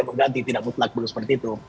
yang mengganti tidak mutlak bukan seperti itu